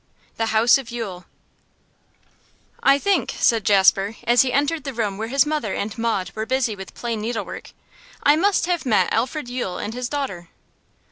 THE HOUSE OF YULE 'I think' said Jasper, as he entered the room where his mother and Maud were busy with plain needlework, 'I must have met Alfred Yule and his daughter.